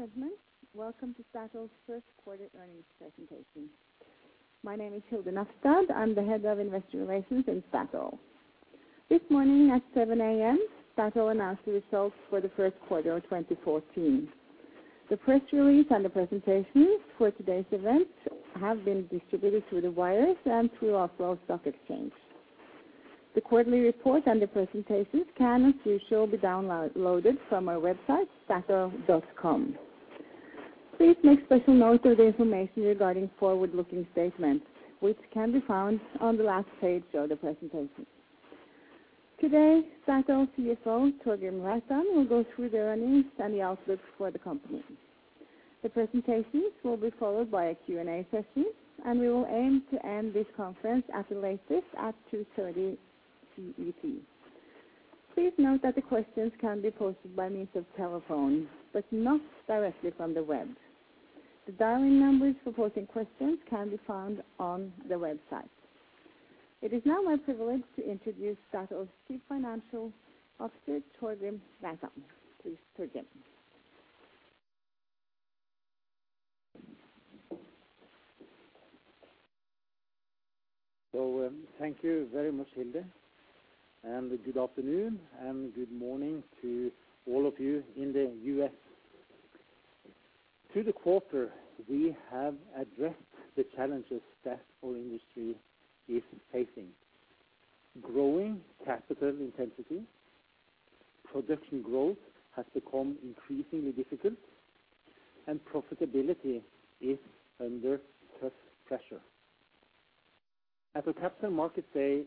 Ladies and gentlemen, welcome to Statoil's first quarter earnings presentation. My name is Hilde Møllerstad. I'm the head of investor relations in Statoil. This morning at 7:00 A.M., Statoil announced the results for the first quarter of 2014. The press release and the presentations for today's event have been distributed through the wires and through Oslo Stock Exchange. The quarterly report and the presentations can as usual be downloaded from our website, statoil.com. Please make special note of the information regarding forward-looking statements, which can be found on the last page of the presentation. Today, Statoil CFO Torgrim Reitan will go through the earnings and the outlook for the company. The presentations will be followed by a Q&A session, and we will aim to end this conference at the latest at 2:30 CET. Please note that the questions can be posted by means of telephone, but not directly from the web. The dial-in numbers for posting questions can be found on the website. It is now my privilege to introduce Statoil's Chief Financial Officer, Torgrim Reitan. Please, Torgrim. Thank you very much, Hilde, and good afternoon and good morning to all of you in the U.S. Through the quarter, we have addressed the challenges that the oil industry is facing. Growing capital intensity, production growth has become increasingly difficult, and profitability is under tough pressure. At the Capital Markets Day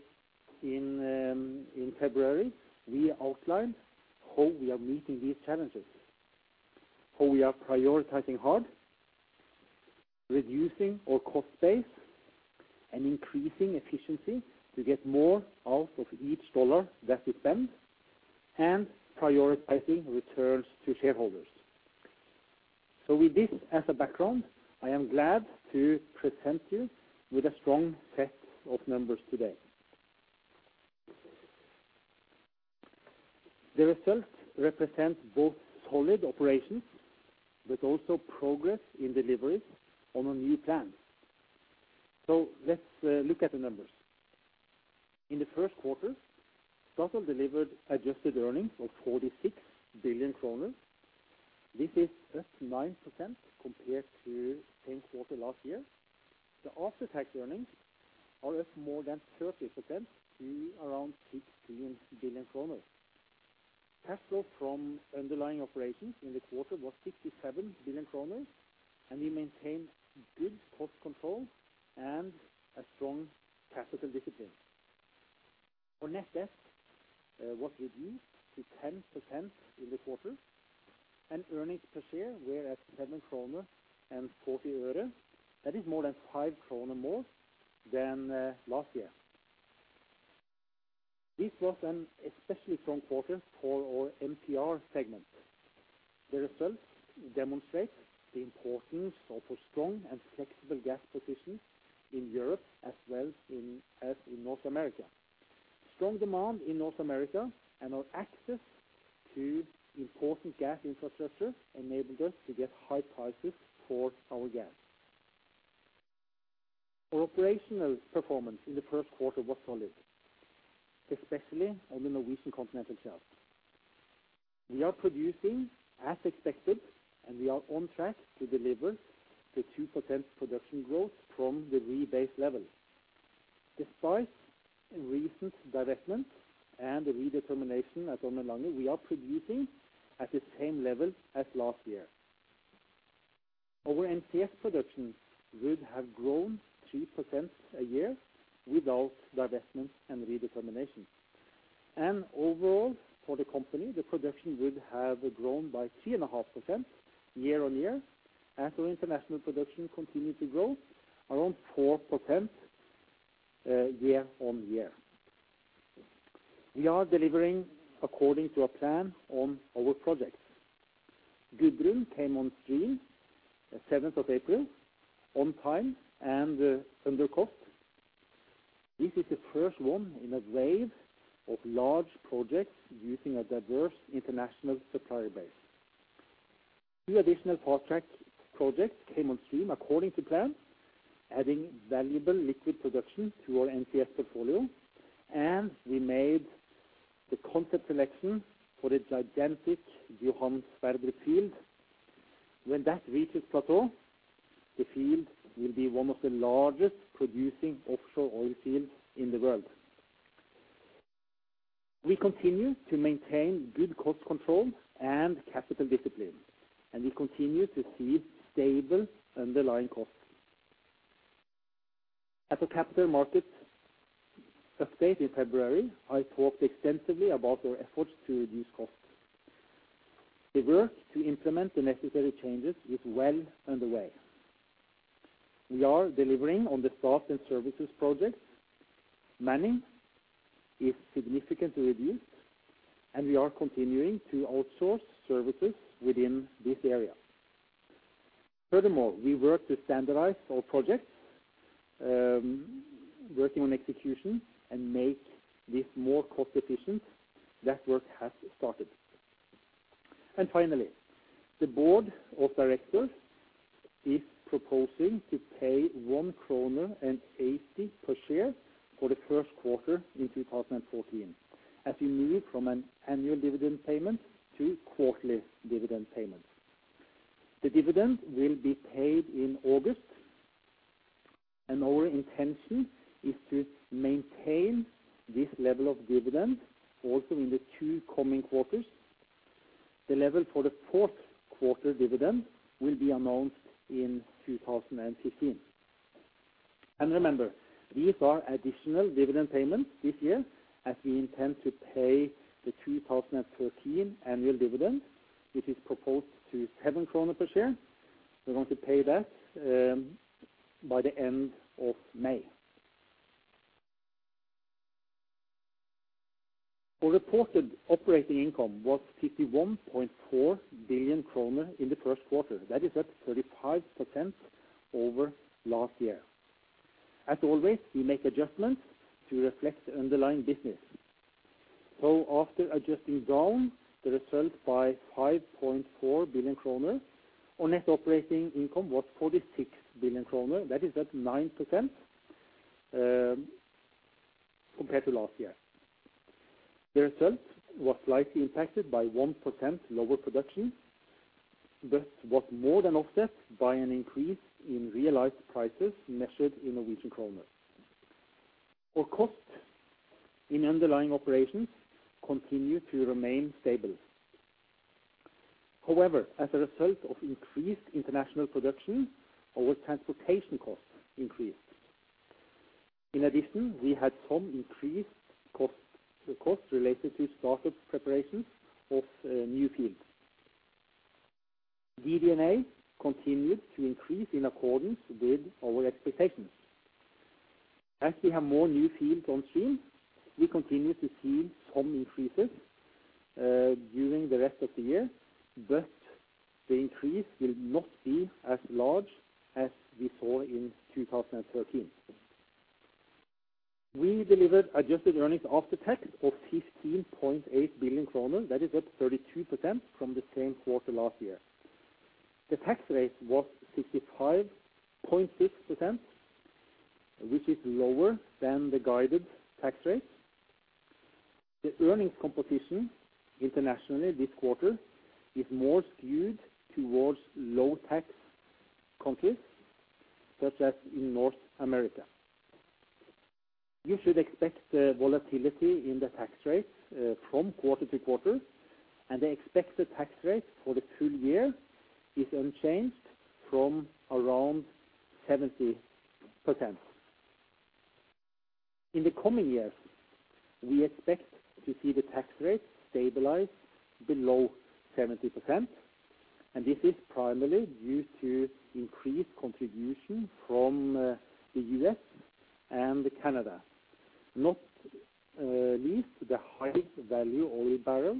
in February, we outlined how we are meeting these challenges, how we are prioritizing hard, reducing our cost base, and increasing efficiency to get more out of each dollar that we spend, and prioritizing returns to shareholders. With this as a background, I am glad to present you with a strong set of numbers today. The results represent both solid operations but also progress in deliveries on our new plan. Let's look at the numbers. In the first quarter, Statoil delivered adjusted earnings of 46 billion kroner. This is up 9% compared to the same quarter last year. The after-tax earnings are up more than 30% to around 16 billion kroner. Cash flow from underlying operations in the quarter was 67 billion kroner, and we maintained good cost control and a strong capital discipline. Our net debt was reduced to 10% in the quarter, and earnings per share were at 7.40 kroner. That is more than 5 kroner more than last year. This was an especially strong quarter for our MPR segment. The results demonstrate the importance of a strong and flexible gas position in Europe as well as in North America. Strong demand in North America and our access to important gas infrastructure enabled us to get high prices for our gas. Our operational performance in the first quarter was solid, especially on the Norwegian Continental Shelf. We are producing to quarterly dividend payments. The dividend will be paid in August, and our intention is to maintain this level of dividend also in the two coming quarters. The level for the fourth quarter dividend will be announced in 2015. Remember, these are additional dividend payments this year, as we intend to pay the 2013 annual dividend, which is proposed to 7 krone per share. We're going to pay that by the end of May. Our reported operating income was 51.4 billion kroner in the first quarter. That is up 35% over last year. As always, we make adjustments to reflect the underlying business. After adjusting down the result by 5.4 billion kroner, our net operating income was 46 billion kroner. That is up 9%, compared to last year. The result was slightly impacted by 1% lower production, but was more than offset by an increase in realized prices measured in Norwegian kroner. Our costs in underlying operations continued to remain stable. However, as a result of increased international production, our transportation costs increased. In addition, we had some increased costs related to startup preparations of new fields. DD&A continued to increase in accordance with our expectations. As we have more new fields on stream, we continue to see some increases during the rest of the year, but the increase will not be as large as we saw in 2013. We delivered adjusted earnings after tax of 15.8 billion kroner. That is up 32% from the same quarter last year. The tax rate was 65.6%, which is lower than the guided tax rate. The earnings composition internationally this quarter is more skewed towards low tax countries, such as in North America. You should expect the volatility in the tax rates from quarter to quarter, and the expected tax rate for the full year is unchanged from around 70%. In the coming years, we expect to see the tax rate stabilize below 70%, and this is primarily due to increased contribution from the US and Canada. Not least the highest value oil barrel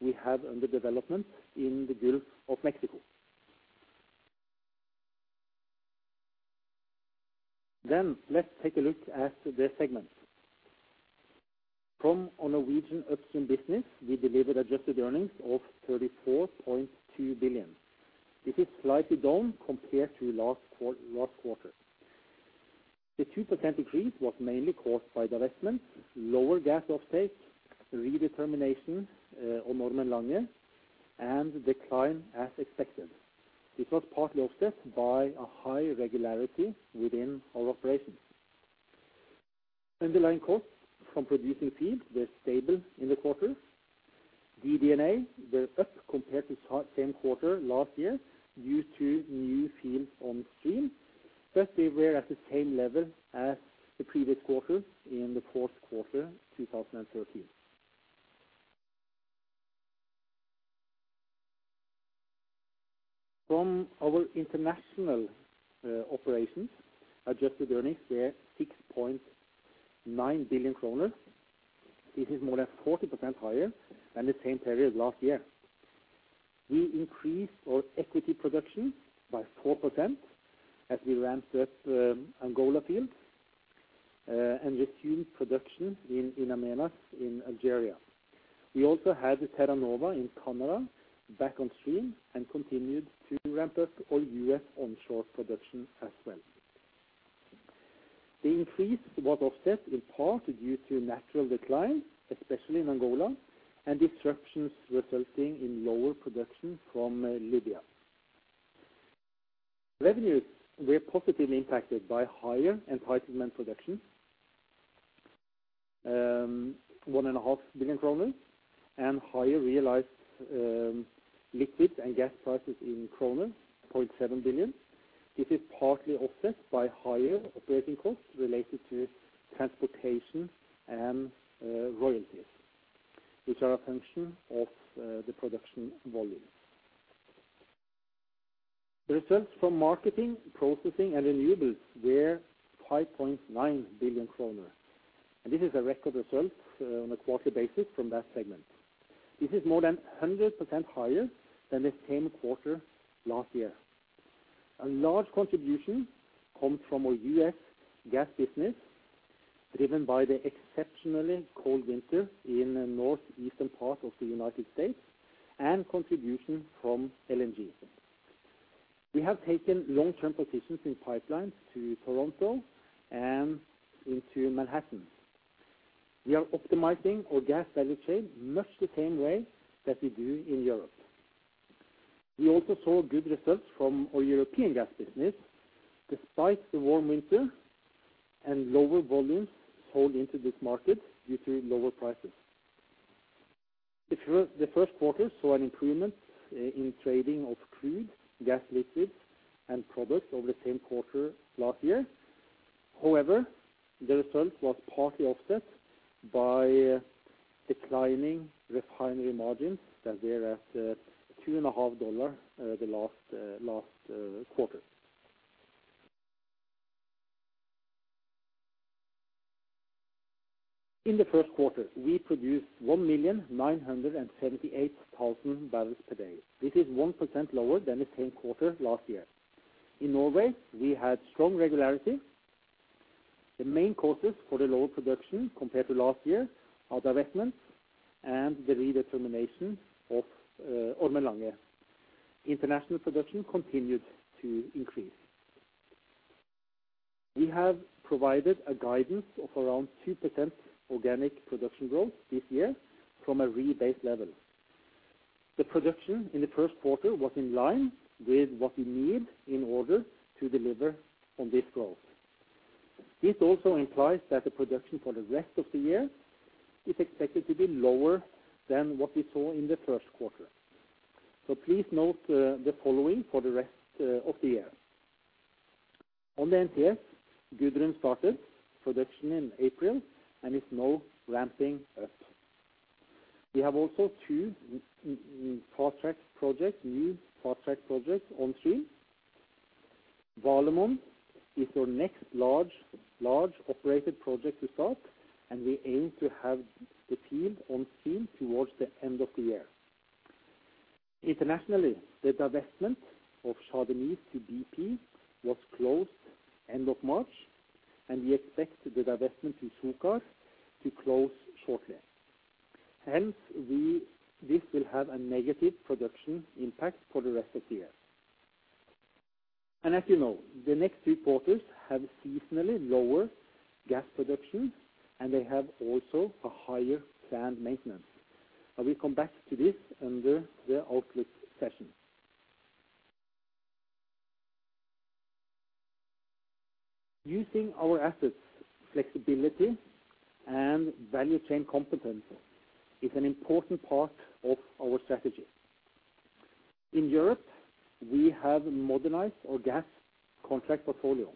we have under development in the Gulf of Mexico. Let's take a look at the segments. From our Norwegian upstream business, we delivered adjusted earnings of 34.2 billion. This is slightly down compared to last quarter. The 2% decrease was mainly caused by divestment, lower gas offtake, redetermination on Ormen Lange, and decline as expected. This was partly offset by a high regularity within our operations. Underlying costs from producing fields were stable in the quarter. DD&A were up compared to same quarter last year due to new fields on stream, but they were at the same level as the previous quarter in the fourth quarter 2013. From our international operations, adjusted earnings were 6.9 billion kroner. This is more than 40% higher than the same period last year. We increased our equity production by 4% as we ramped up Angola fields and resumed production in In Amenas in Algeria. We also had Terra Nova in Canada back on stream and continued to ramp up our US onshore production as well. The increase was offset in part due to natural decline, especially in Angola, and disruptions resulting in lower production from Libya. Revenues were positively impacted by higher entitlement production, NOK 1.5 billion, and higher realized liquid and gas prices in kroner, 0.7 billion. This is partly offset by higher operating costs related to transportation and royalties, which are a function of the production volume. The results from Marketing, Processing, and Renewables were 5.9 billion kroner, and this is a record result on a quarterly basis from that segment. This is more than 100% higher than the same quarter last year. A large contribution comes from our US gas business, driven by the exceptionally cold winter in the northeastern part of the United States and contribution from LNG. We have taken long-term positions in pipelines to Toronto and into Manhattan. We are optimizing our gas value chain much the same way that we do in Europe. We also saw good results from our European gas business despite the warm winter and lower volumes sold into this market due to lower prices. The first quarter saw an improvement in trading of crude, gas liquids, and products over the same quarter last year. However, the result was partly offset by declining refinery margins that were at $2.5 the last quarter. In the first quarter, we produced 1,978,000 barrels per day. This is 1% lower than the same quarter last year. In Norway, we had strong regularity. The main causes for the lower production compared to last year are divestments and the redetermination of Ormen Lange. International production continued to increase. We have provided a guidance of around 2% organic production growth this year from a rebased level. The production in the first quarter was in line with what we need in order to deliver on this growth. This also implies that the production for the rest of the year is expected to be lower than what we saw in the first quarter. Please note the following for the rest of the year. On the NCS, Gudrun started production in April and is now ramping up. We have also two fast-track projects, new fast-track projects on stream. Valemon is our next large operated project to start, and we aim to have the field on stream towards the end of the year. Internationally, the divestment of Shah Deniz to BP was closed end of March, and we expect the divestment to Suncor to close shortly. Hence, this will have a negative production impact for the rest of the year. As you know, the next three quarters have seasonally lower gas production, and they have also a higher planned maintenance. I will come back to this under the outlook session. Using our assets, flexibility and value chain competence is an important part of our strategy. In Europe, we have modernized our gas contract portfolio.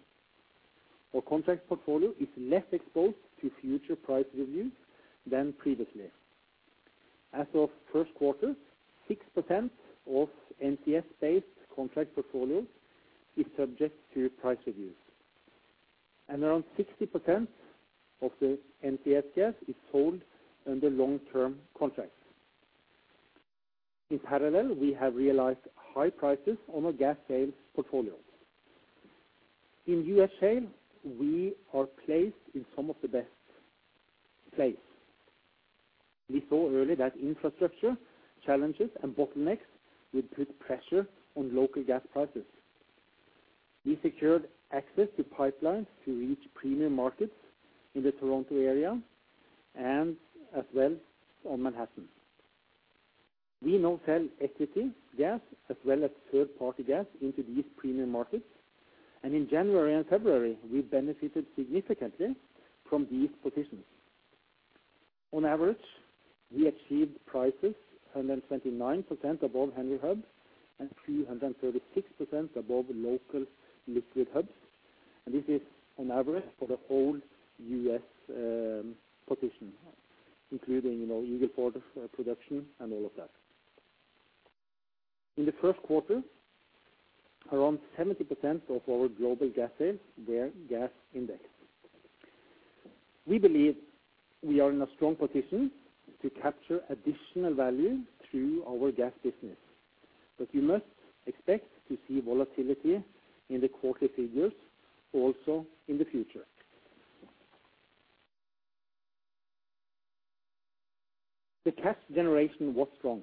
Our contract portfolio is less exposed to future price reviews than previously. As of first quarter, 6% of NCS-based contract portfolio is subject to price reviews, and around 60% of the NCS gas is sold under long-term contracts. In parallel, we have realized high prices on our gas sales portfolio. In U.S. shale, we are placed in some of the best place. We saw early that infrastructure challenges and bottlenecks would put pressure on local gas prices. We secured access to pipelines to reach premium markets in the Toronto area and as well on Manhattan. We now sell equity gas as well as third-party gas into these premium markets, and in January and February, we benefited significantly from these positions. On average, we achieved prices 129% above Henry Hub and 336% above local liquid hubs. This is an average for the whole U.S. position, including, you know, Eagle Ford production and all of that. In the first quarter, around 70% of our global gas sales were gas indexed. We believe we are in a strong position to capture additional value through our gas business. You must expect to see volatility in the quarterly figures also in the future. The cash generation was strong.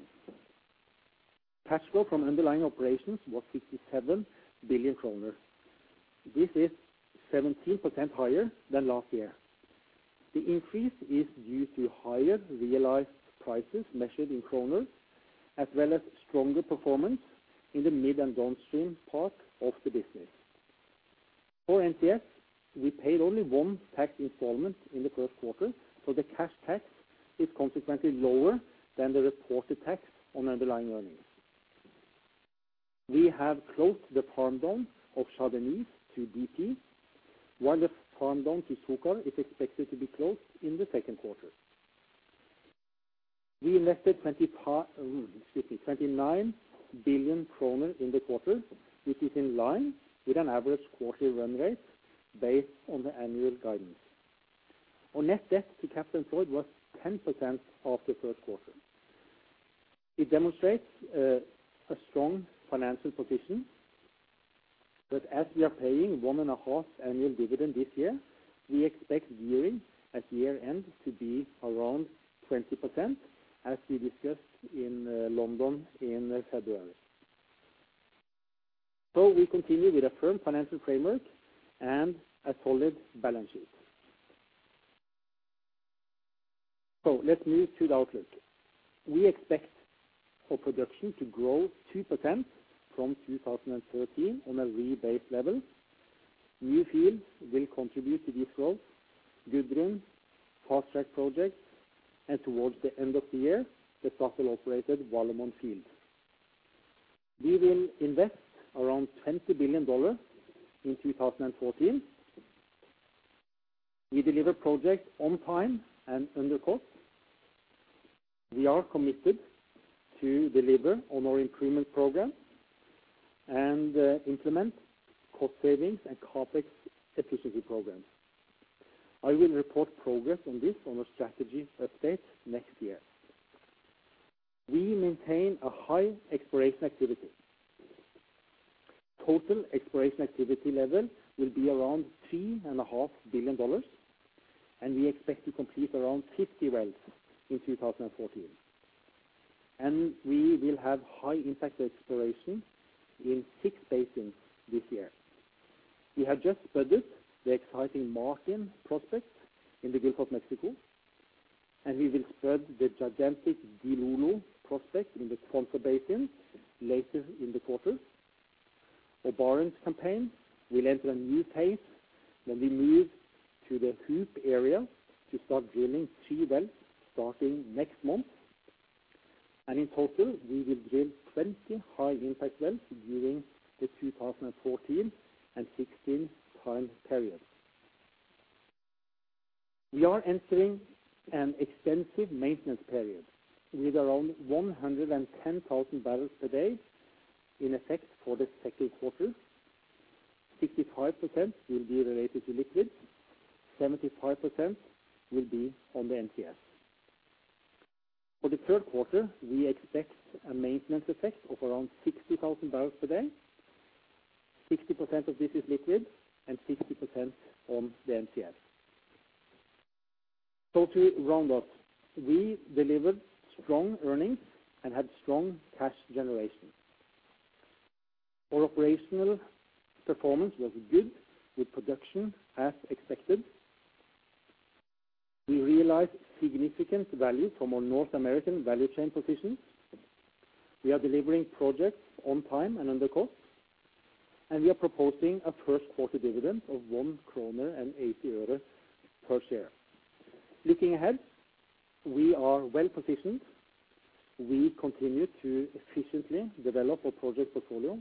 Cash flow from underlying operations was 57 billion kroner. This is 17% higher than last year. The increase is due to higher realized prices measured in kroners as well as stronger performance in the midstream and downstream part of the business. For NCS, we paid only one tax installment in the first quarter, so the cash tax is consequently lower than the reported tax on underlying earnings. We have closed the farm-down of Shah Deniz to BP, while the farm-down to Suncor is expected to be closed in the second quarter. We invested twenty-nine billion kroners in the quarter, which is in line with an average quarterly run rate based on the annual guidance. Our net debt to capital employed was 10% in the first quarter. It demonstrates a strong financial position. As we are paying one and a half annual dividend this year, we expect gearing at year-end to be around 20% as we discussed in London in February. We continue with a firm financial framework and a solid balance sheet. Let's move to the outlook. We expect our production to grow 2% from 2013 on a rebased level. New fields will contribute to this growth, Gudrun, fast-track projects, and towards the end of the year, the Statoil-operated Valemon field. We will invest around $20 billion in 2014. We deliver projects on time and under cost. We are committed to deliver on our improvement program and implement cost savings and CapEx efficiency programs. I will report progress on this on our strategy update next year. We maintain a high exploration activity. Total exploration activity level will be around $3.5 billion, and we expect to complete around 50 wells in 2014. We will have high-impact exploration in 6 basins this year. We have just spudded the exciting Martin prospect in the Gulf of Mexico, and we will spud the gigantic Dilolo prospect in the Congo Basin later in the quarter. Our Barents campaign will enter a new phase when we move to the Hoop area to start drilling three wells starting next month. In total, we will drill 20 high-impact wells during the 2014 and 2016 time period. We are entering an extensive maintenance period with around 110,000 barrels per day in effect for the second quarter. 65% will be related to liquids, 75% will be on the NCS. For the third quarter, we expect a maintenance effect of around 60,000 barrels per day. 60% of this is liquids and 60% on the NCS. To round up, we delivered strong earnings and had strong cash generation. Our operational performance was good with production as expected. We realized significant value from our North American value chain position. We are delivering projects on time and under cost, and we are proposing a first quarter dividend of NOK 1.80 per share. Looking ahead, we are well-positioned. We continue to efficiently develop our project portfolio.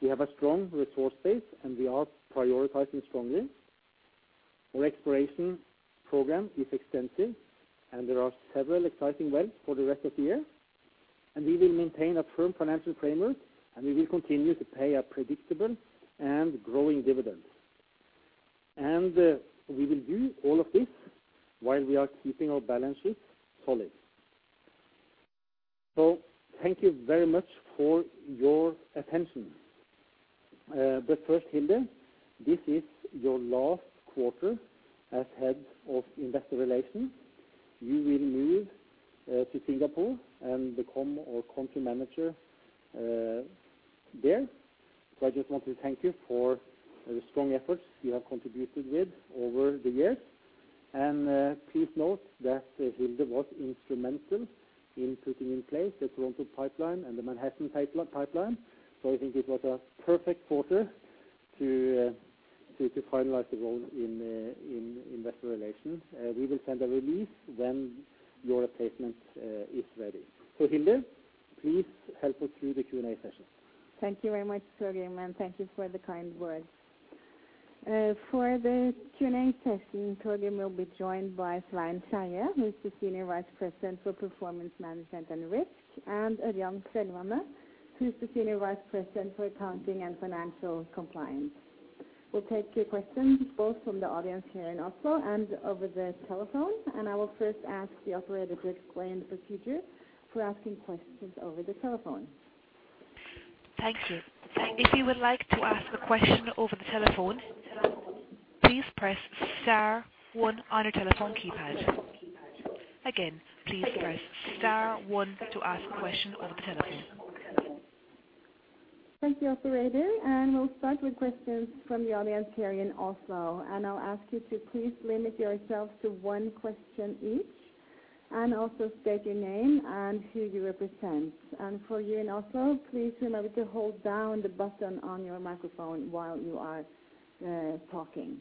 We have a strong resource base, and we are prioritizing strongly. Our exploration program is extensive, and there are several exciting wells for the rest of the year. We will maintain a firm financial framework, and we will continue to pay a predictable and growing dividend. We will do all of this while we are keeping our balance sheet solid. Thank you very much for your attention. First, Hilde, this is your last quarter as head of investor relations. You will move to Singapore and become our country manager there. I just want to thank you for the strong efforts you have contributed with over the years. Please note that Hilde was instrumental in putting in place the Toronto Pipeline and the Manhattan Pipeline. I think it was a perfect quarter to finalize the role in investor relations. We will send a release when your replacement is ready. Hilde, please help us through the Q&A session. Thank you very much, Torgrim, and thank you for the kind words. For the Q&A session, Torgrim will be joined by Svein Skeie, who is the Senior Vice President for Performance Management and Risk, and Ørjan Kvelvane, who is the Senior Vice President for Accounting and Financial Compliance. We'll take your questions both from the audience here in Oslo and over the telephone, and I will first ask the operator to explain the procedure for asking questions over the telephone. Thank you. If you would like to ask a question over the telephone, please press star one on your telephone keypad. Again, please press star one to ask a question over the telephone. Thank you, operator, and we'll start with questions from the audience here in Oslo. I'll ask you to please limit yourselves to one question each and also state your name and who you represent. For you in Oslo, please remember to hold down the button on your microphone while you are talking.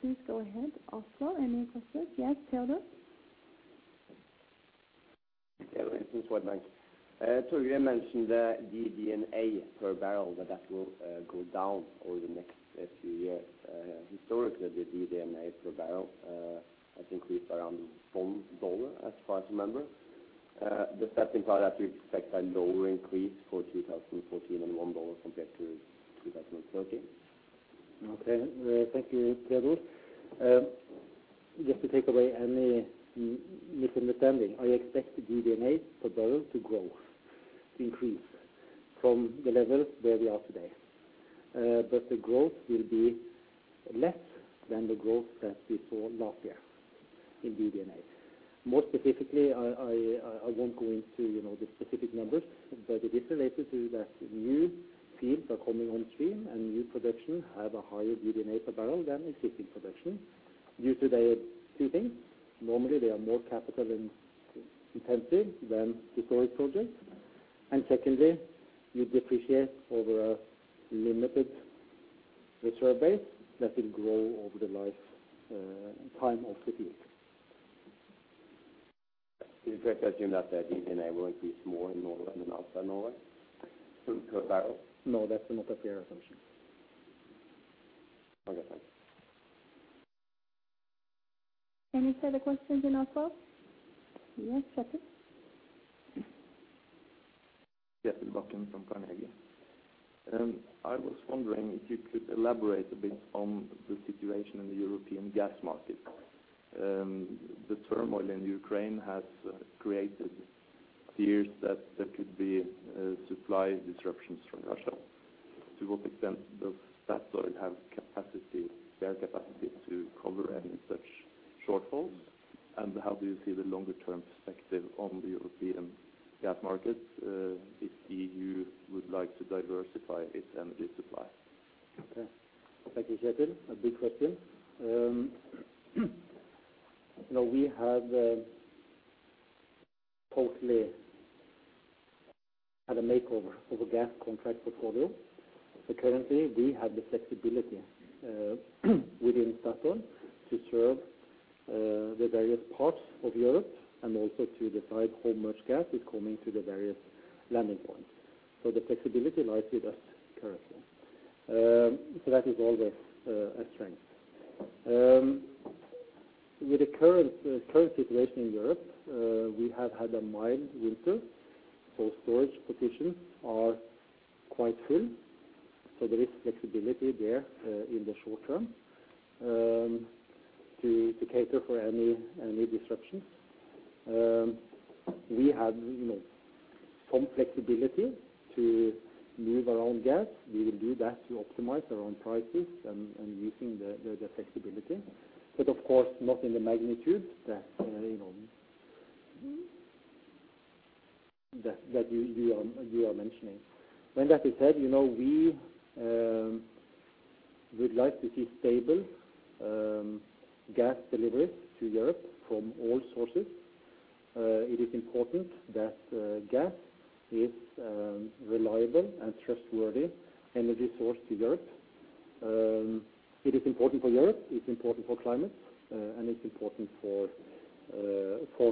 Please go ahead. Oslo, any questions? Yes, Teodor Sveen-Nilsen? It's from Morgan Stanley. Torgrim mentioned the DD&A per barrel, that will go down over the next few years. Historically, the DD&A per barrel Around $1 as far as I remember. Does that imply that we expect a lower increase for 2014 and $1 compared to 2013? Okay. Thank you, Teodor Sveen-Nilsen. Just to take away any misunderstanding. I expect the DD&A per barrel to grow, increase from the level where we are today. The growth will be less than the growth that we saw last year in DD&A. More specifically, I won't go into, you know, the specific numbers, but it is related to that new fields are coming on stream and new production have a higher DD&A per barrel than existing production due to there are two things. Normally, they are more capital-intensive than historic projects. Secondly, you depreciate over a limited reserve base that will grow over the lifetime of the field. Is it fair to assume that the DD&A will increase more in Norway than outside Norway per barrel? No, that's not a fair assumption. Okay, thanks. Any further questions in our call? Yes, Kjetil. Kjetil Bakken from Carnegie. I was wondering if you could elaborate a bit on the situation in the European gas market. The turmoil in Ukraine has created fears that there could be supply disruptions from Russia. To what extent does Statoil have capacity, spare capacity to cover any such shortfalls? How do you see the longer-term perspective on the European gas markets, if EU would like to diversify its energy supply? Okay. Thank you, Kjetil. A big question. You know, we have closely had a makeover of a gas contract portfolio. Currently, we have the flexibility within Statoil to serve the various parts of Europe and also to decide how much gas is coming to the various landing points. The flexibility lies with us currently. That is always a strength. With the current situation in Europe, we have had a mild winter, so storage positions are quite full. There is flexibility there in the short term to cater for any disruptions. You know, we have some flexibility to move our own gas. We will do that to optimize our own prices and using the flexibility. Of course not in the magnitude that you know that you are mentioning. When that is said, you know, we would like to see stable gas deliveries to Europe from all sources. It is important that gas is reliable and trustworthy energy source to Europe. It is important for Europe, it's important for climate, and it's important for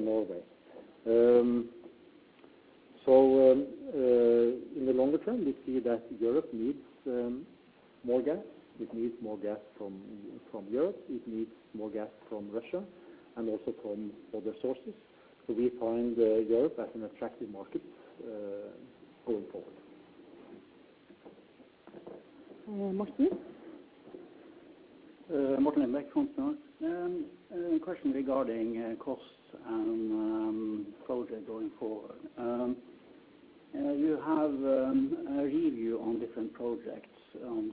Norway. In the longer term, we see that Europe needs more gas. It needs more gas from Europe. It needs more gas from Russia and also from other sources. We find Europe as an attractive market going forward. Johan? Johan Mölbach, Handelsbanken. A question regarding costs and projects going forward. You have a review on different projects,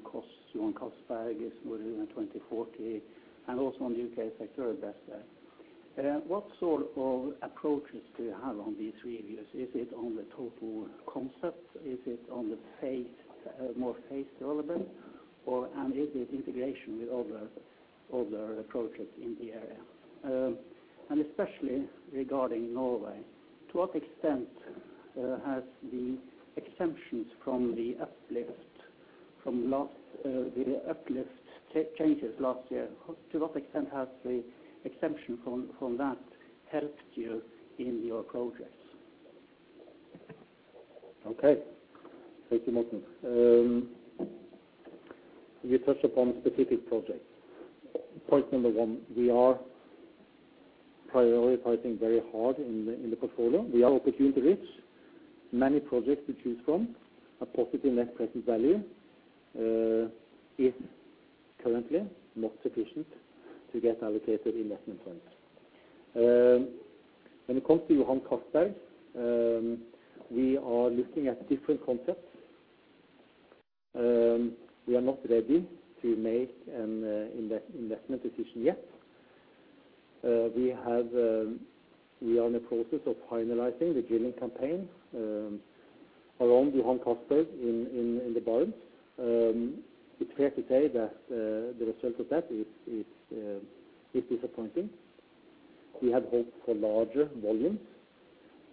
costs on Castberg, it's more than 2040, and also on the UK sector assets. What sort of approaches do you have on these reviews? Is it on the total concept? Is it on the phase, more phase relevant, or, and is it integration with other projects in the area? Especially regarding Norway, to what extent has the exemption from the uplift changes last year helped you in your projects? Thank you, Martin. You touch upon specific projects. Point number one, we are prioritizing very hard in the portfolio. We are opportunity rich. Many projects to choose from are positive net present value is currently not sufficient to get allocated investment funds. When it comes to Johan Castberg, we are looking at different concepts. We are not ready to make an investment decision yet. We are in the process of finalizing the drilling campaign around Johan Castberg in the Barents. It's fair to say that the result of that is disappointing. We had hoped for larger volumes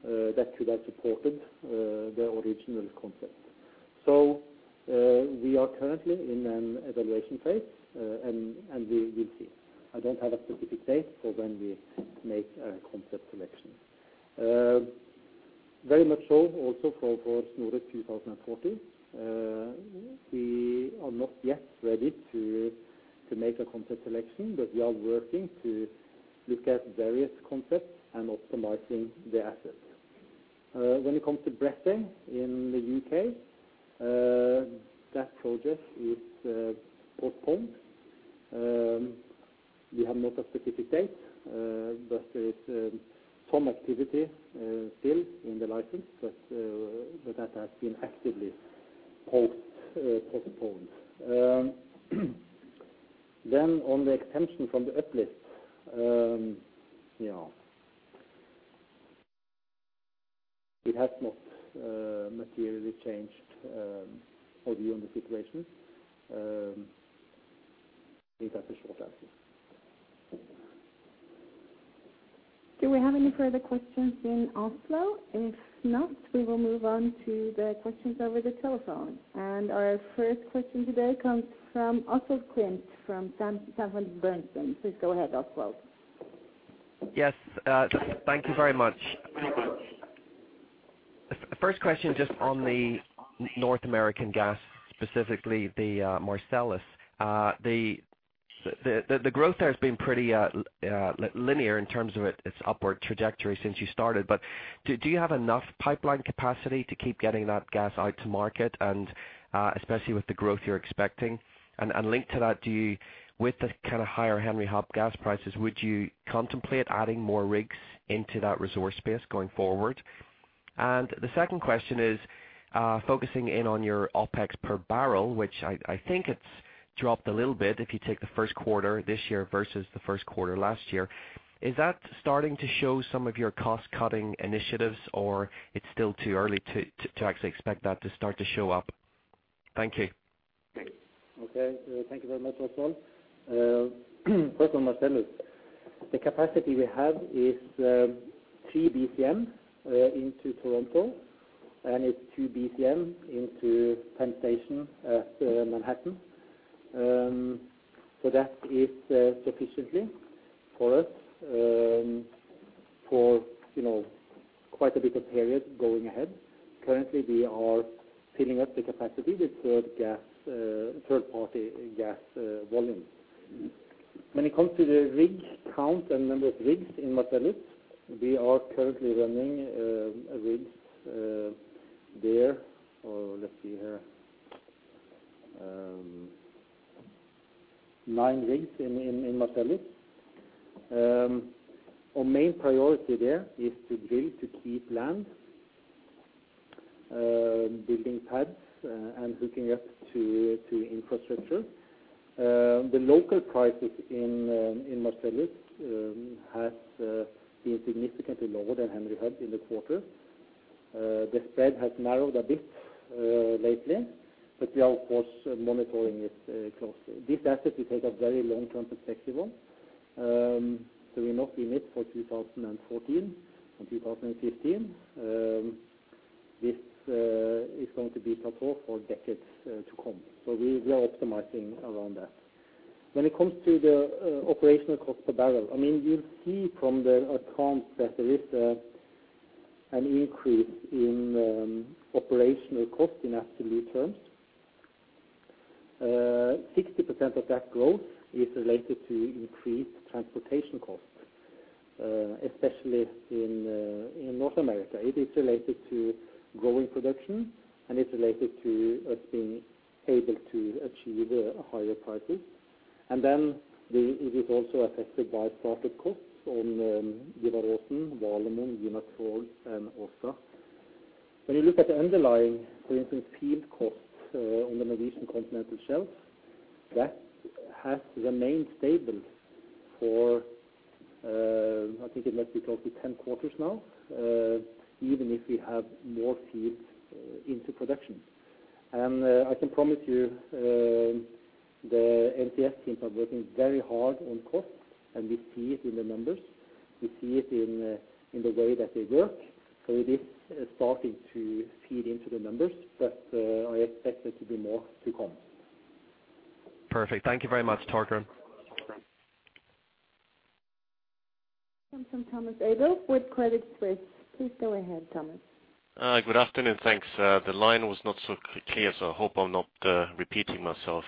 that could have supported the original concept. We are currently in an evaluation phase, and we will see. I don't have a specific date for when we make a concept selection. Very much so also for Snorre 2040. We are not yet ready to make a concept selection, but we are working to look at various concepts and optimizing the assets. When it comes to Bressay in the UK, that project is postponed. We have not a specific date, but it's some activity still in the license, but that has been actively postponed. On the extension from the uplift, yeah. It has not materially changed our view on the situation. Is that the short answer? Do we have any further questions in Oslo? If not, we will move on to the questions over the telephone. Our first question today comes from Oswald Clint from Sanford C. Bernstein. Please go ahead, Oswald. Yes, thank you very much. First question just on the North American gas, specifically the Marcellus. The growth there has been pretty linear in terms of its upward trajectory since you started. Do you have enough pipeline capacity to keep getting that gas out to market, and especially with the growth you're expecting? Linked to that, do you, with the kind of higher Henry Hub gas prices, would you contemplate adding more rigs into that resource space going forward? The second question is, focusing in on your OPEX per barrel, which I think it's dropped a little bit if you take the first quarter this year versus the first quarter last year. Is that starting to show some of your cost-cutting initiatives, or it's still too early to actually expect that to start to show up? Thank you. Okay. Thank you very much, Oswald. First on Marcellus, the capacity we have is 3 BCM into Toronto, and it's 2 BCM into Penn Station at Manhattan. That is sufficiently for us, for you know, quite a bit of period going ahead. Currently, we are filling up the capacity with third-party gas volumes. When it comes to the rig count and number of rigs in Marcellus, we are currently running rigs there. 9 rigs in Marcellus. Our main priority there is to drill to keep land, building pads, and hooking up to infrastructure. The local prices in Marcellus has been significantly lower than Henry Hub in the quarter. The spread has narrowed a bit, lately, but we are, of course, monitoring it closely. This asset we take a very long-term perspective on. We're not in it for 2014 or 2015. This is going to be tapped off for decades to come. We are optimizing around that. When it comes to the operational cost per barrel, I mean, you see from the accounts that there is an increase in operational cost in absolute terms. 60% of that growth is related to increased transportation costs, especially in North America. It is related to growing production, and it's related to us being able to achieve higher prices. It is also affected by project costs on Gina Krog, Valemon, Aasta Hansteen, and Oseberg. When you look at the underlying, for instance, field costs on the Norwegian Continental Shelf, that has remained stable for, I think it must be close to 10 quarters now, even if we have more fields into production. I can promise you the NCS teams are working very hard on costs, and we see it in the numbers. We see it in the way that they work. It is starting to feed into the numbers, but I expect there to be more to come. Perfect. Thank you very much, Torgrim. From Thomas Adolff with Credit Suisse. Please go ahead, Thomas. Good afternoon. Thanks. The line was not so clear, so I hope I'm not repeating myself.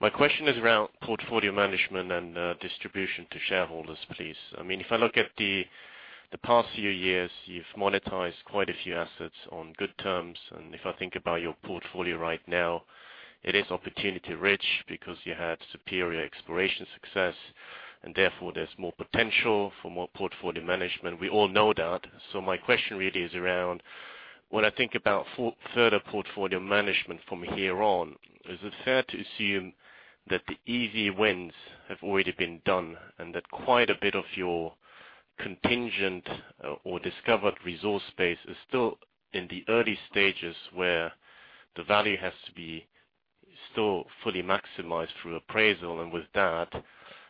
My question is around portfolio management and distribution to shareholders, please. I mean, if I look at the past few years, you've monetized quite a few assets on good terms. If I think about your portfolio right now, it is opportunity-rich because you had superior exploration success, and therefore there's more potential for more portfolio management. We all know that. My question really is around when I think about further portfolio management from here on, is it fair to assume that the easy wins have already been done and that quite a bit of your contingent or discovered resource base is still in the early stages where the value has to be still fully maximized through appraisal? With that,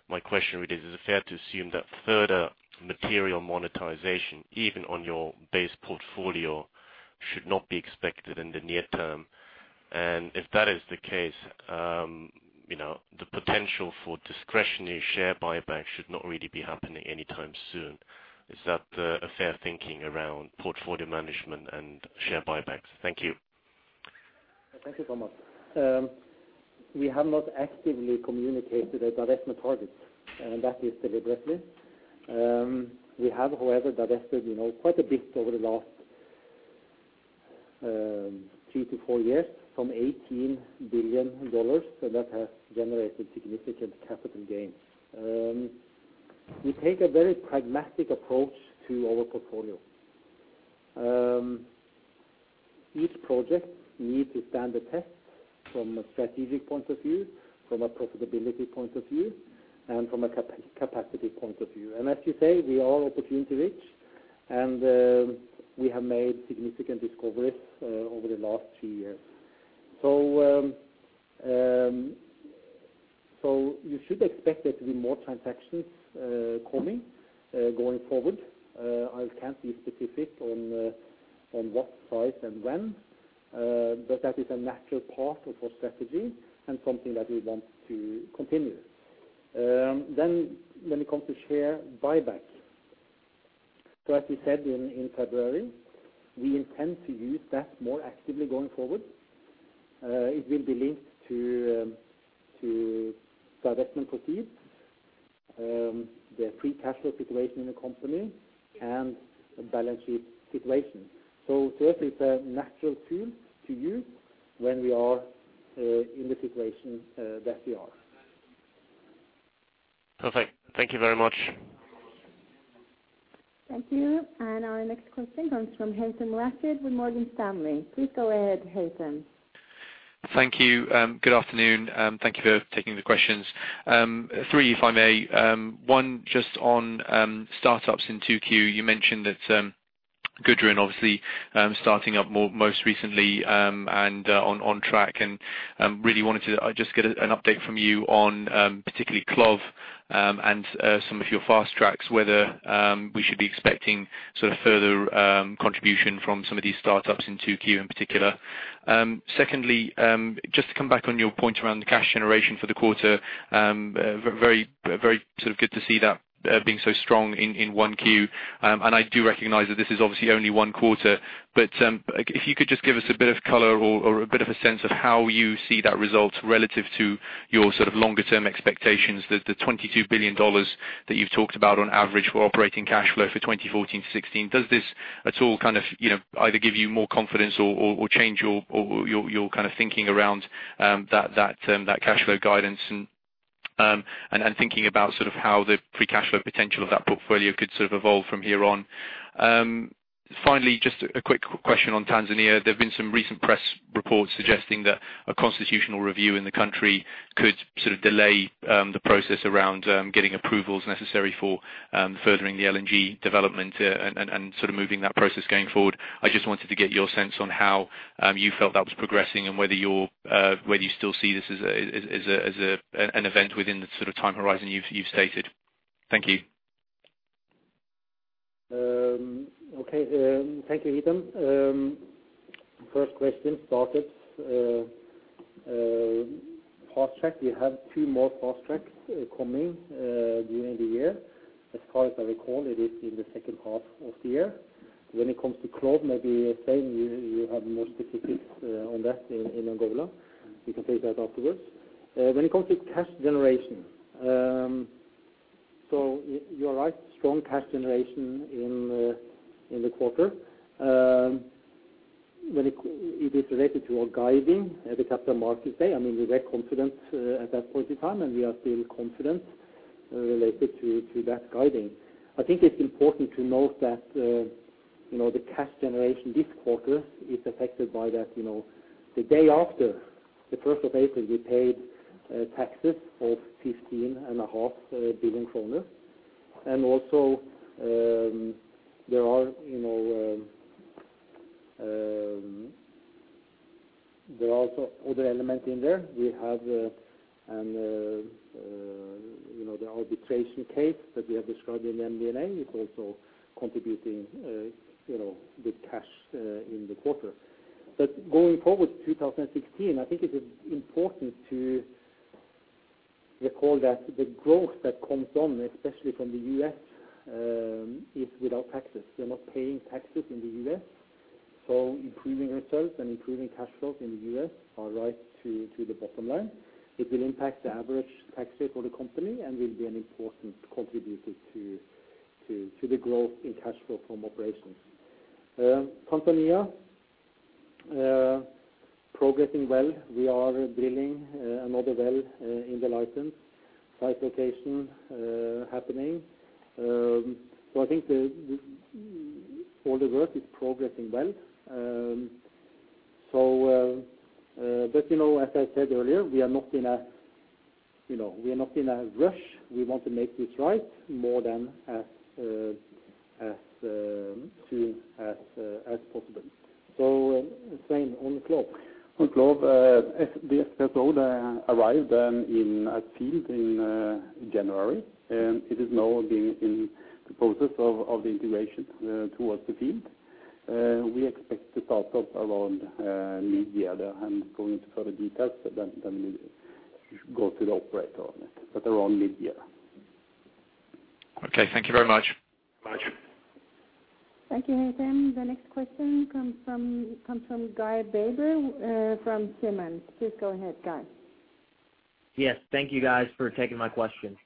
my question really is it fair to assume that further material monetization, even on your base portfolio? Should not be expected in the near term. If that is the case, you know, the potential for discretionary share buyback should not really be happening anytime soon. Is that a fair thinking around portfolio management and share buybacks? Thank you. Thank you so much. We have not actively communicated a divestment target, and that is deliberately. We have, however, divested, you know, quite a bit over the last three to four years from $18 billion, so that has generated significant capital gains. We take a very pragmatic approach to our portfolio. Each project needs to stand the test from a strategic point of view, from a profitability point of view, and from a capacity point of view. As you say, we are opportunity rich, and we have made significant discoveries over the last two years. You should expect there to be more transactions coming going forward. I can't be specific on what size and when, but that is a natural part of our strategy and something that we want to continue. When it comes to share buyback. As we said in February, we intend to use that more actively going forward. It will be linked to divestment proceeds, the free cash flow situation in the company and the balance sheet situation. This is a natural tool to use when we are in the situation that we are. Perfect. Thank you very much. Thank you. Our next question comes from Haytham Hodaly with Morgan Stanley. Please go ahead, Haytham. Thank you. Good afternoon. Thank you for taking the questions. Three, if I may. One just on startups in 2Q. You mentioned that Gudrun obviously starting up most recently and on track. Really wanted to just get an update from you on particularly Clov and some of your fast tracks, whether we should be expecting sort of further contribution from some of these startups in 2Q in particular. Secondly, just to come back on your point around the cash generation for the quarter. Very, very sort of good to see that being so strong in 1Q. I do recognize that this is obviously only one quarter. If you could just give us a bit of color or a bit of a sense of how you see that result relative to your sort of longer term expectations. The $22 billion that you've talked about on average for operating cash flow for 2014 to 2016. Does this at all kind of, you know, either give you more confidence or change your kind of thinking around that cash flow guidance and thinking about sort of how the free cash flow potential of that portfolio could sort of evolve from here on. Finally, just a quick question on Tanzania. There have been some recent press reports suggesting that a constitutional review in the country could sort of delay the process around getting approvals necessary for furthering the LNG development and sort of moving that process going forward. I just wanted to get your sense on how you felt that was progressing and whether you still see this as an event within the sort of time horizon you've stated. Thank you. Okay. Thank you, Haytham. First question, startups, fast track. We have two more fast tracks coming during the year. As far as I recall, it is in the second half of the year. When it comes to Clov, maybe, Svein, you have more specifics on that in Angola. You can take that afterwards. When it comes to cash generation. You are right. Strong cash generation in the quarter. When it is related to our guidance, as at the Capital Markets Day, I mean, we were confident at that point in time, and we are still confident related to that guidance. I think it's important to note that, you know, the cash generation this quarter is affected by that, you know, the day after the first of April, we paid taxes of 15.5 billion kroner. Also, there are, you know, there are also other elements in there. We have an arbitration case that we have described in the MD&A is also contributing, you know, with cash in the quarter. Going forward 2016, I think it is important to recall that the growth that comes on, especially from the US, is without taxes. We are not paying taxes in the US. Improving results and improving cash flows in the US are right to the bottom line. It will impact the average tax rate for the company and will be an important contributor to the growth in cash flow from operations. Tanzania progressing well. We are drilling another well in the license. Site location happening. I think all the work is progressing well. But you know, as I said earlier, we are not in a rush. We want to make this right more than as soon as possible. Svein, on the globe? In Clov, the FPSO arrived at the field in January, and it is now being in the process of the integration towards the field. We expect to start up around mid-year there. I'm going into further details, but then we go to the operator on it, but around mid-year. Okay, thank you very much. Much. Thank you, Haytham. The next question comes from Guy Baber from Simmons. Please go ahead, Guy. Yes, thank you guys for taking my question.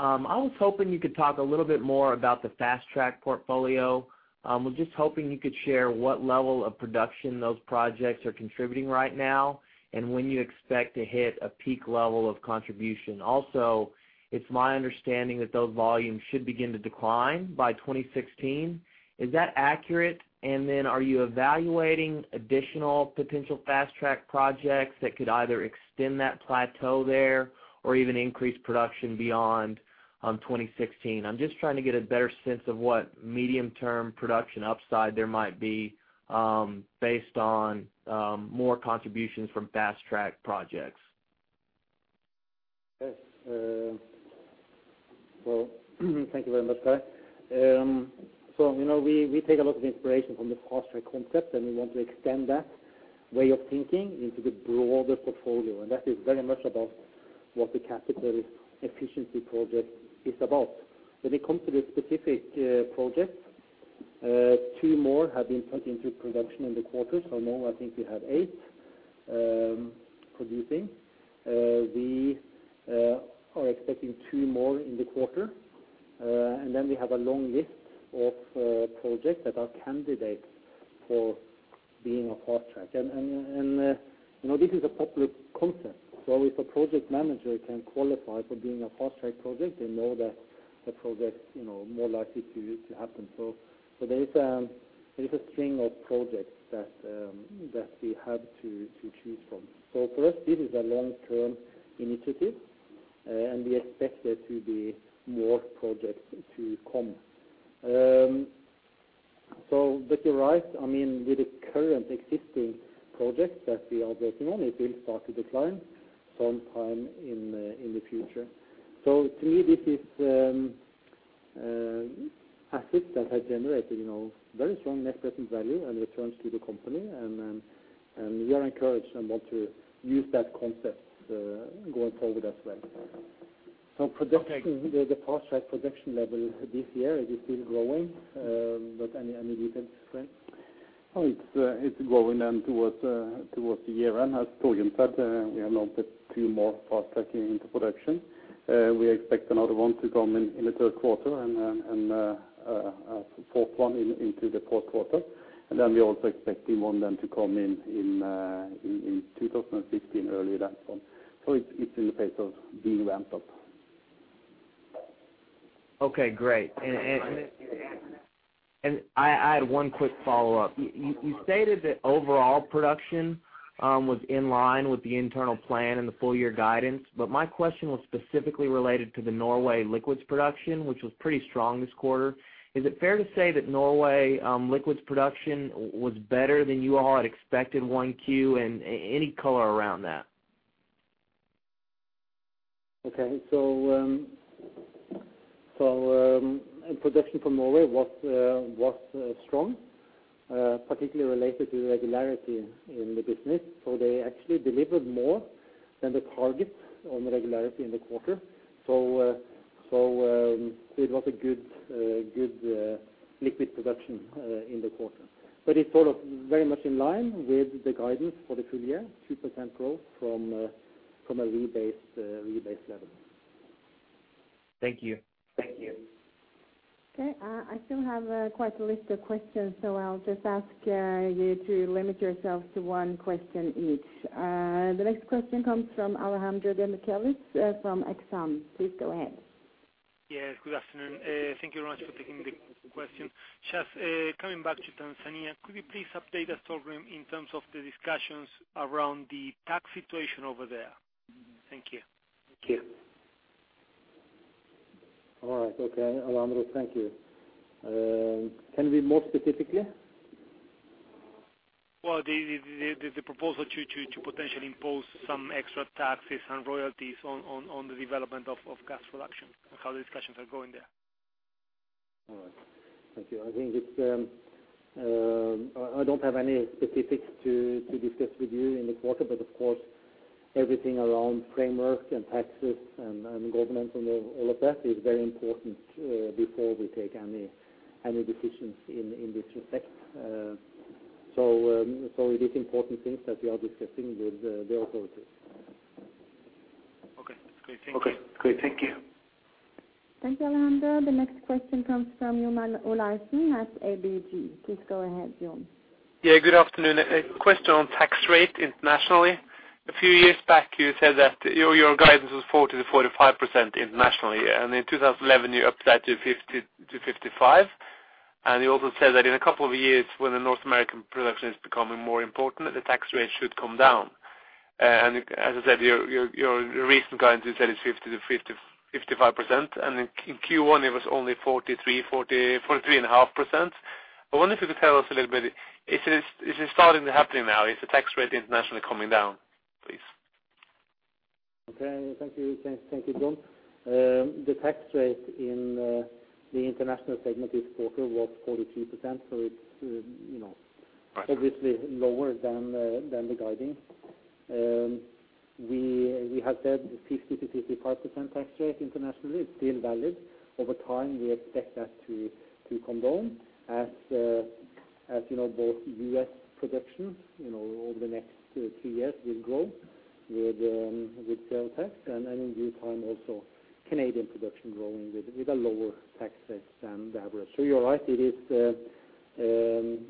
I was hoping you could talk a little bit more about the fast track portfolio. I was just hoping you could share what level of production those projects are contributing right now and when you expect to hit a peak level of contribution. Also, it's my understanding that those volumes should begin to decline by 2016. Is that accurate? Are you evaluating additional potential fast track projects that could either extend that plateau there or even increase production beyond 2016? I'm just trying to get a better sense of what medium-term production upside there might be based on more contributions from fast track projects. Yes. Well, thank you very much, Guy. You know, we take a lot of inspiration from the fast track concept, and we want to extend that way of thinking into the broader portfolio. That is very much about what the capital efficiency project is about. When it comes to the specific projects, two more have been put into production in the quarter. Now I think we have eight producing. We are expecting two more in the quarter. Then we have a long list of projects that are candidates for being on fast track. You know, this is a popular concept. If a project manager can qualify for being a fast track project, they know that the project's you know more likely to happen. There is a string of projects that we have to choose from. For us, this is a long-term initiative, and we expect there to be more projects to come. But you're right. I mean, with the current existing projects that we are working on, it will start to decline sometime in the future. To me, this is assets that have generated, you know, very strong net present value and returns to the company. We are encouraged and want to use that concept going forward as well. So production- The fast track production level this year is still growing. Any details, Svein? It's growing then towards the year-end. As Torgrim Reitan said, we have launched a few more fast tracking into production. We expect another one to come in in the third quarter and a fourth one in the fourth quarter. We're also expecting one to come in in 2016 earlier than planned. It's in the pace of being ramped up. Okay, great. I had one quick follow-up. You stated that overall production was in line with the internal plan and the full year guidance, but my question was specifically related to the Norway liquids production, which was pretty strong this quarter. Is it fair to say that Norway liquids production was better than you all had expected 1Q, and any color around that? Production from Norway was strong, particularly related to the regularity in the business. They actually delivered more than the target on the regularity in the quarter. It was a good liquid production in the quarter. It's sort of very much in line with the guidance for the full year, 2% growth from a rebased level. Thank you. Thank you. Okay. I still have quite a list of questions, so I'll just ask you to limit yourselves to one question each. The next question comes from Alejandro Demichelis from Exane BNP Paribas. Please go ahead. Yes, good afternoon. Thank you very much for taking the question. Just, coming back to Tanzania, could you please update us, Torgrim Reitan, in terms of the discussions around the tax situation over there? Thank you. Thank you. All right. Okay, Alejandro, thank you. Can we be more specific? Well, the proposal to potentially impose some extra taxes and royalties on the development of gas production, how the discussions are going there? All right. Thank you. I think I don't have any specifics to discuss with you in the quarter, but of course, everything around framework and taxes and government and all of that is very important before we take any decisions in this respect. It is important things that we are discussing with the authorities. Okay, great. Thank you. Okay, great. Thank you. Thank you, Alejandro. The next question comes from John Olaisen at ABG. Please go ahead, John. Yeah, good afternoon. A question on tax rate internationally. A few years back, you said that your guidance was 40%-45% internationally. In 2011, you upped that to 50%-55%. You also said that in a couple of years, when the North American production is becoming more important, the tax rate should come down. As I said, your recent guidance you said is 50%-55%, and in Q1 it was only 43.5%. I wonder if you could tell us a little bit, is it starting to happen now? Is the tax rate internationally coming down, please? Okay, thank you. Thank you, John. The tax rate in the international segment this quarter was 43%, so it's, you know- Right Obviously lower than the guidance. We have said 50%-55% tax rate internationally is still valid. Over time, we expect that to come down as you know both U.S. production you know over the next 2-3 years will grow with sales tax and in due time also Canadian production growing with a lower tax rate than the average. You're right, it is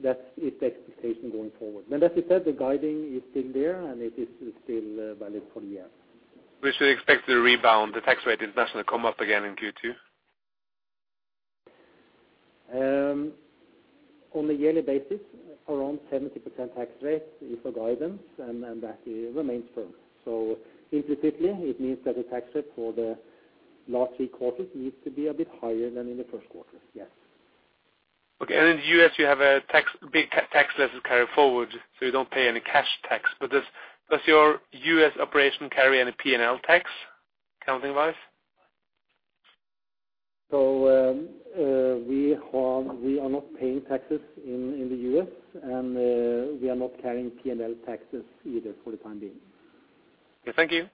that is the expectation going forward. As I said, the guidance is still there, and it is still valid for the year. We should expect the rebound, the tax rate internationally come up again in Q2? On a yearly basis, around 70% tax rate is our guidance and that remains firm. Implicitly, it means that the tax rate for the last three quarters needs to be a bit higher than in the first quarter, yes. Okay. In the U.S., you have a big tax loss carryforward, so you don't pay any cash tax. Does your U.S. operation carry any P&L tax accounting-wise? We are not paying taxes in the U.S., and we are not carrying P&L taxes either for the time being. Yeah, thank you.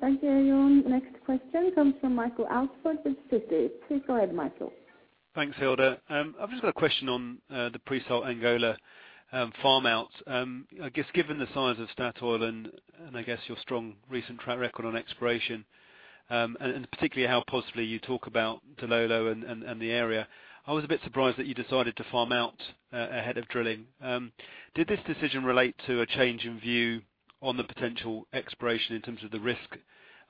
Thank you, John. Next question comes from Michael Alsford with Citi. Please go ahead, Michael. Thanks, Hilde. I've just got a question on the pre-salt Angola farm outs. I guess given the size of Statoil and I guess your strong recent track record on exploration, and particularly how positively you talk about Dilolo and the area, I was a bit surprised that you decided to farm out ahead of drilling. Did this decision relate to a change in view on the potential exploration in terms of the risk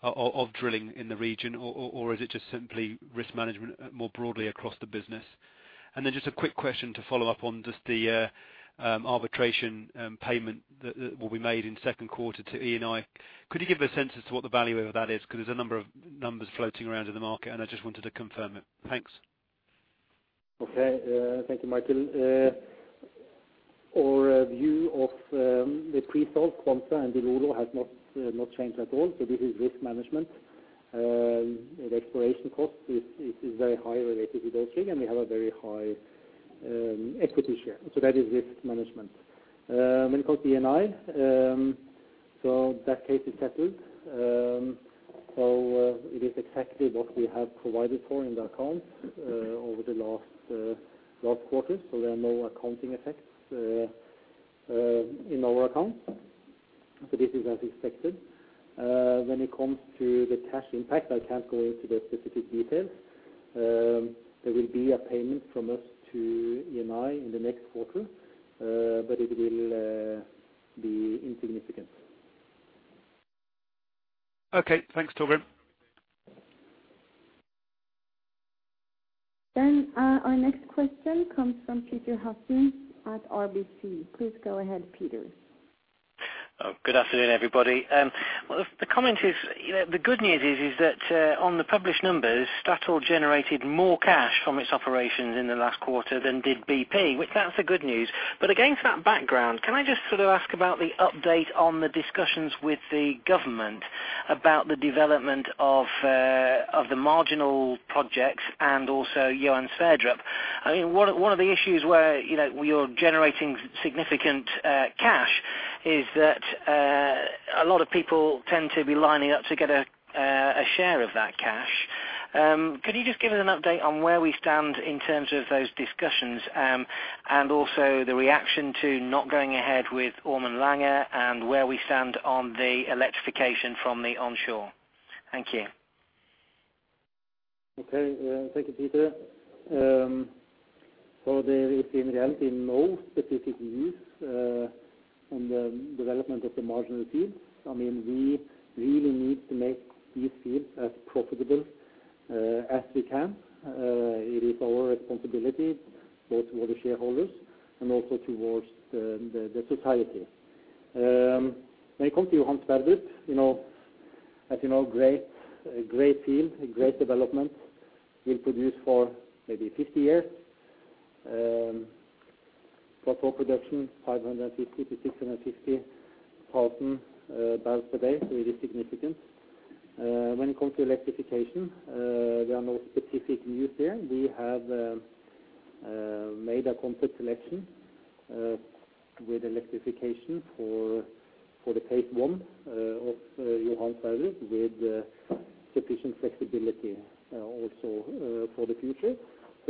of drilling in the region or is it just simply risk management more broadly across the business? Then just a quick question to follow up on just the arbitration payment that will be made in second quarter to Eni. Could you give a sense as to what the value of that is? Because there's a number of numbers floating around in the market, and I just wanted to confirm it. Thanks. Okay. Thank you, Michael. Our view of the pre-salt Kwanza and Dilolo has not changed at all. This is risk management. The exploration cost is very high related to those three, and we have a very high equity share. That is risk management. When it comes to Eni, that case is settled. It is exactly what we have provided for in the account over the last quarter. There are no accounting effects in our accounts. This is as expected. When it comes to the cash impact, I can't go into the specific details. There will be a payment from us to Eni in the next quarter, but it will be insignificant. Okay. Thanks, Torgrim. Our next question comes from Peter Hutton at RBC. Please go ahead, Peter. Good afternoon, everybody. The comment is, you know, the good news is that on the published numbers, Statoil generated more cash from its operations in the last quarter than did BP, which that's the good news. Against that background, can I just sort of ask about the update on the discussions with the government about the development of the marginal projects and also Johan Sverdrup? I mean, one of the issues where, you know, you're generating significant cash is that a lot of people tend to be lining up to get a share of that cash. Could you just give us an update on where we stand in terms of those discussions, and also the reaction to not going ahead with Ormen Lange and where we stand on the electrification from the onshore? Thank you. Okay. Thank you, Peter. There is in reality no specific news on the development of the marginal fields. I mean, we really need to make these fields as profitable as we can. It is our responsibility both towards the shareholders and also towards the society. When it comes to Johan Sverdrup, you know, as you know, a great field, a great development will produce for maybe 50 years. Total production 550-650 thousand barrels per day. It is significant. When it comes to electrification, there are no specific news there. We have made a concrete selection with electrification for the phase one of Johan Sverdrup with sufficient flexibility also for the future.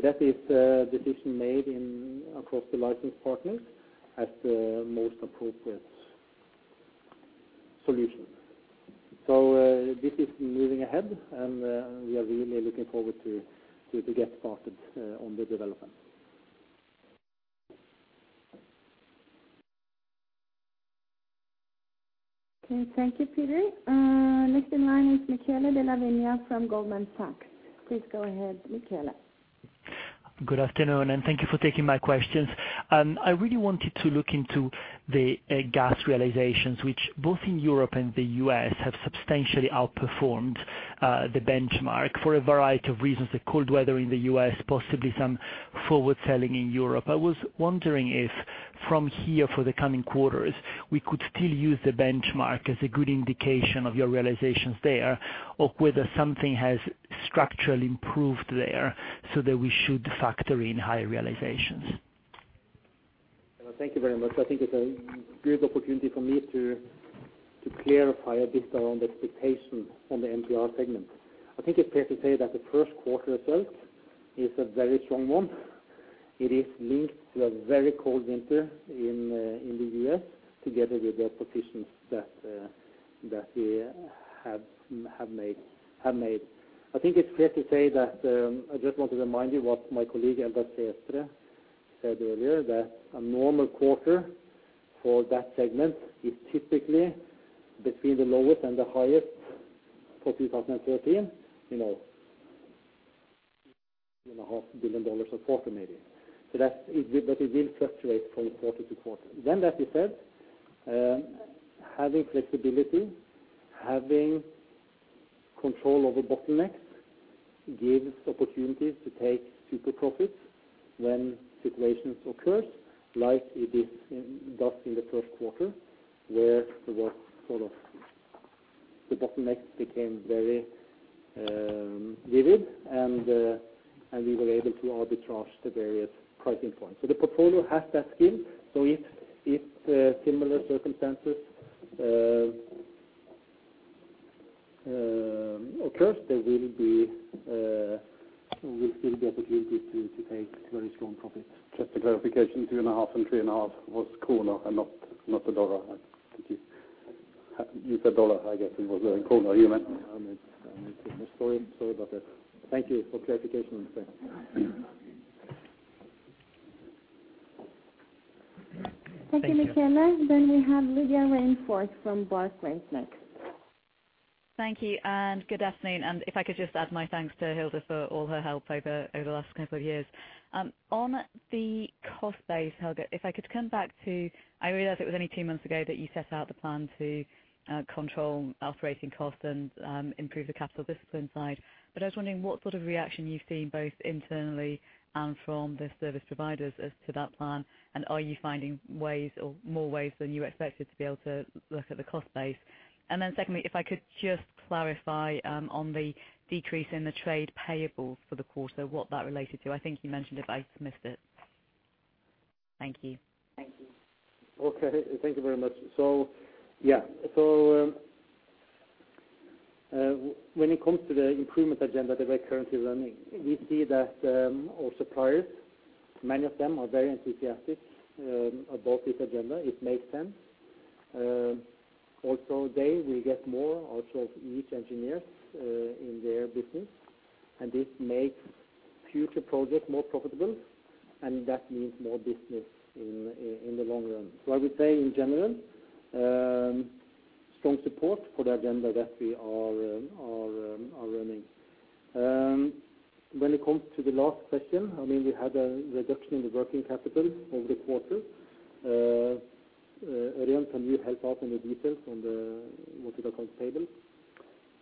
That is a decision made across the license partners as the most appropriate solution. This is moving ahead, and we are really looking forward to get started on the development. Okay, thank you, Peter. Next in line is Michele Della Vigna from Goldman Sachs. Please go ahead, Michele. Good afternoon, and thank you for taking my questions. I really wanted to look into the gas realizations, which both in Europe and the U.S. have substantially outperformed the benchmark for a variety of reasons, the cold weather in the U.S., possibly some forward selling in Europe. I was wondering if from here for the coming quarters, we could still use the benchmark as a good indication of your realizations there, or whether something has structurally improved there so that we should factor in higher realizations? Thank you very much. I think it's a good opportunity for me to clarify a bit around the expectations on the MPR segment. I think it's fair to say that the first quarter result is a very strong one. It is linked to a very cold winter in the US together with the positions that we have made. I think it's fair to say that I just want to remind you what my colleague, Eldar Sætre, said earlier, that a normal quarter for that segment is typically between the lowest and the highest for 2013 and a half billion dollars a quarter maybe. That's. But it will fluctuate from quarter to quarter. That being said, having flexibility, having control over bottlenecks gives opportunities to take super profits when situations occurs like it does in the first quarter, where there was sort of the bottlenecks became very vivid and and we were able to arbitrage the various pricing points. The portfolio has that skill. If similar circumstances occurs, there will be will still be opportunities to take very strong profits. Just a clarification, 2.5-3.5 was kroner and not the dollar. I think you used the dollar. I guess it was the kroner you meant. I'm sorry. Sorry about that. Thank you for clarification. Thank you, Michele. We have Lydia Rainforth from Barclays next. Thank you and good afternoon. If I could just add my thanks to Hilde Møllerstad for all her help over the last couple of years. On the cost base, Torgrim Reitan, if I could come back to. I realize it was only two months ago that you set out the plan to control operating costs and improve the capital discipline side. I was wondering what sort of reaction you've seen both internally and from the service providers as to that plan. Are you finding ways or more ways than you expected to be able to look at the cost base? Then secondly, if I could just clarify on the decrease in the trade payables for the quarter, what that related to. I think you mentioned it, but I missed it. Thank you. Okay. Thank you very much. Yeah. When it comes to the improvement agenda that we're currently running, we see that our suppliers, many of them are very enthusiastic about this agenda. It makes sense. Also they will get more out of each engineer in their business, and this makes future projects more profitable, and that means more business in the long run. I would say in general, strong support for the agenda that we are running. When it comes to the last question, I mean, we had a reduction in the working capital over the quarter. Ørjan, can you help out in the details on what you call payables?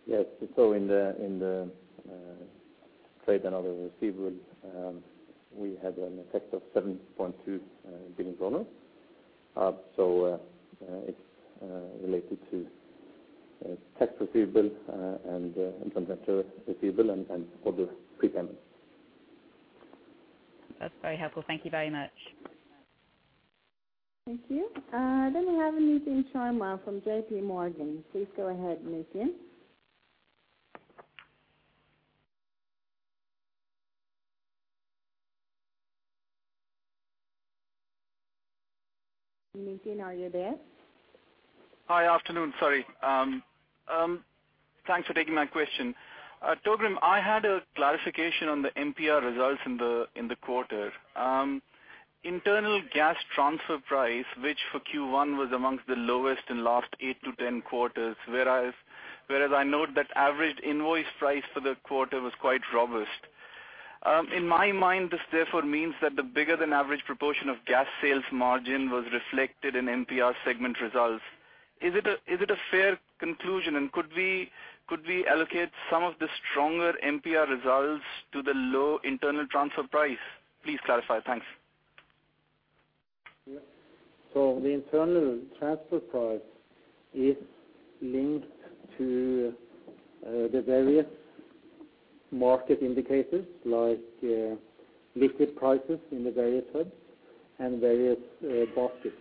Yes. In the trade and other receivables, we had an effect of NOK 7.2 billion. It's related to tax receivable and from vendor receivable and other prepayments. That's very helpful. Thank you very much. Thank you. We have Nitin Sharma from J.P. Morgan. Please go ahead, Nitin. Nitin, are you there? Hi. Afternoon, sorry. Thanks for taking my question. Torgrim, I had a clarification on the MPR results in the quarter. Internal gas transfer price, which for Q1 was among the lowest in the last 8-10 quarters, whereas I note that average invoice price for the quarter was quite robust. In my mind, this therefore means that the bigger than average proportion of gas sales margin was reflected in MPR segment results. Is it a fair conclusion? Could we allocate some of the stronger MPR results to the low internal transfer price? Please clarify. Thanks. The internal transfer price is linked to the various market indicators like liquid prices in the various hubs and various baskets.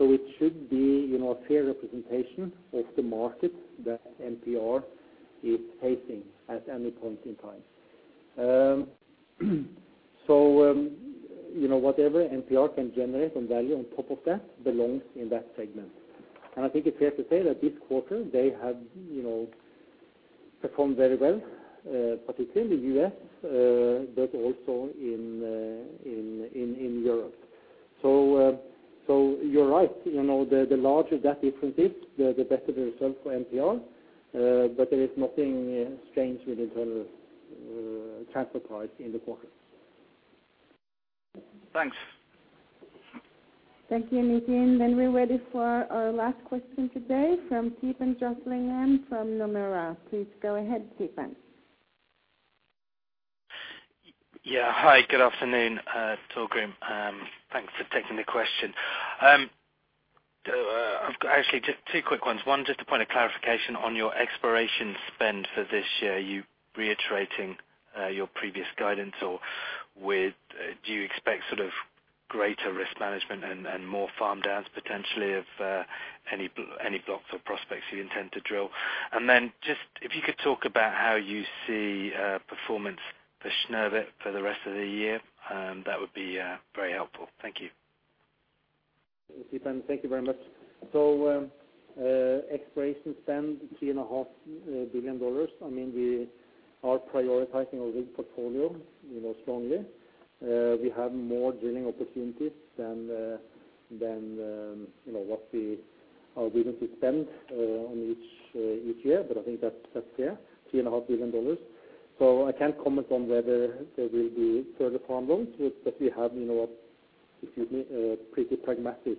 It should be, you know, a fair representation of the market that MPR is facing at any point in time. You know, whatever MPR can generate any value on top of that belongs in that segment. I think it's fair to say that this quarter they had, you know, performed very well, particularly U.S., but also in Europe. You're right, you know, the larger that difference is, the better the result for MPR. But there is nothing strange with internal transfer price in the quarter. Thanks. Thank you, Nitin. We're ready for our last question today from Theepan Jothilingam from Nomura. Please go ahead, Theepan. Yeah. Hi, good afternoon, Torgrim. Thanks for taking the question. So, I've got actually just two quick ones. One, just a point of clarification on your exploration spend for this year. You reiterating your previous guidance or with, do you expect sort of greater risk management and more farm downs potentially of any blocks or prospects you intend to drill? And then just if you could talk about how you see performance for Snøhvit for the rest of the year, that would be very helpful. Thank you. Theepan, thank you very much. Exploration spend $3.5 billion. I mean, we are prioritizing our rig portfolio, you know, strongly. We have more drilling opportunities than what we are willing to spend on each year. But I think that's clear, $3.5 billion. I can't comment on whether there will be further farm-ins, but we have a pretty pragmatic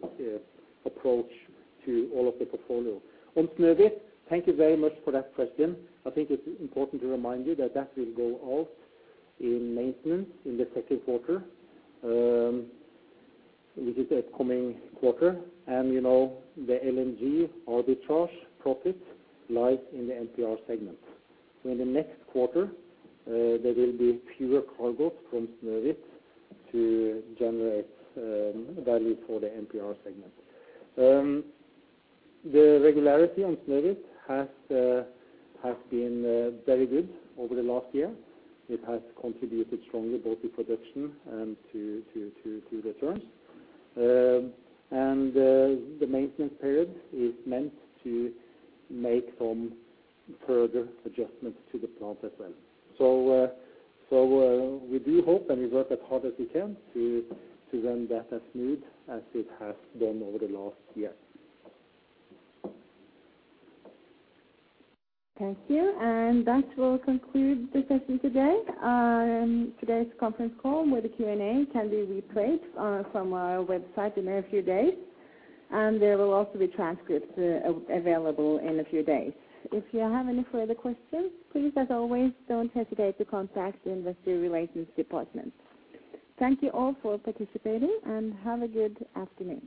approach to all of the portfolio. On Snøhvit, thank you very much for that question. I think it's important to remind you that that will go out in maintenance in the second quarter, which is the coming quarter. You know, the LNG arbitrage profit lies in the MPR segment. In the next quarter, there will be fewer cargos from Snøhvit to generate value for the MPR segment. The regularity on Snøhvit has been very good over the last year. It has contributed strongly both to production and to returns. The maintenance period is meant to make some further adjustments to the plant as well. We do hope and we work as hard as we can to run that as smooth as it has been over the last year. Thank you. That will conclude the session today. Today's conference call with the Q&A can be replayed from our website in a few days, and there will also be transcripts available in a few days. If you have any further questions, please, as always, don't hesitate to contact the investor relations department. Thank you all for participating, and have a good afternoon.